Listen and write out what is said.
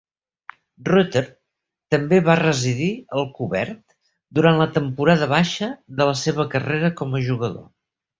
Rueter també va residir al cobert durant la temporada baixa de la seva carrera com a jugador.